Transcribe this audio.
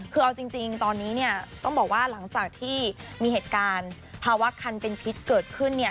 คือเอาจริงตอนนี้เนี่ยต้องบอกว่าหลังจากที่มีเหตุการณ์ภาวะคันเป็นพิษเกิดขึ้นเนี่ย